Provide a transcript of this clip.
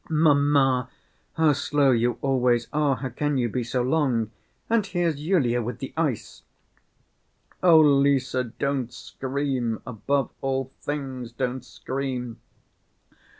Mamma, how slow you always are, how can you be so long! And here's Yulia with the ice!" "Oh, Lise, don't scream, above all things don't scream.